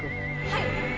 はい！